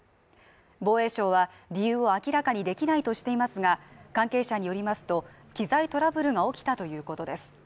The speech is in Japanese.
防衛省は理由を明らかにできないとしていますが、関係者によりますと、機材トラブルが起きたということです。